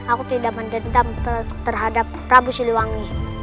aku tidak mendendam terhadap prabu siliwangi